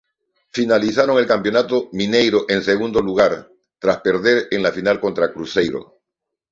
Finalizaron el Campeonato Mineiro en segundo lugar, tras perder en la final contra Cruzeiro.